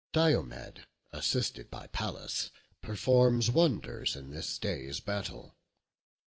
Diomed, assisted by Pallas, performs wonders in this day's battle.